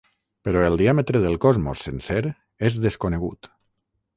Però el diàmetre del cosmos sencer és desconegut.